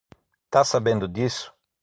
Tá sabendo disso?